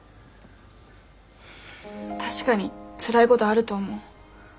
確かにつらいごどあると思う。